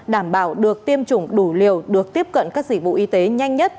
đảm bảo được tiêm chủng đủ liều được tiếp cận các dịch vụ y tế nhanh nhất